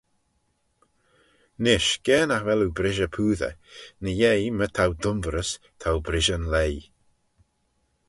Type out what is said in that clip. Nish ga nagh vel oo brishey poosey, ny-yeih my t'ou dunverys, t'ou brishey'n leigh.